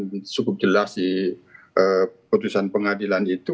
dan cukup jelas di putusan pengadilan itu